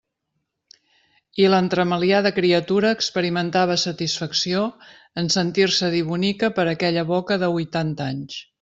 I l'entremaliada criatura experimentava satisfacció en sentir-se dir bonica per aquella boca de huitanta anys.